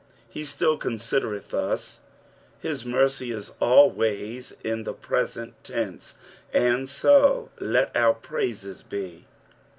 He still coosidereth us ; his mercy is always in the presHit tense, and so lot our praises be.